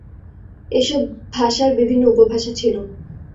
এসব ভাষার বিভিন্ন উপভাষা ছিল।